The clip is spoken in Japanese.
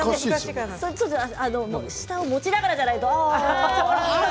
下を持ちながらじゃないと。